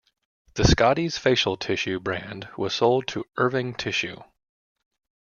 The "Scotties" facial tissue brand was sold to Irving Tissue.